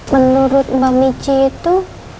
menurut mbak mici itu